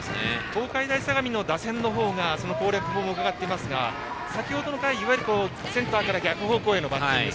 東海大相模の打線のほうがその攻略法を伺っていますが先ほどの回、いわゆるセンターから逆方向のバッティング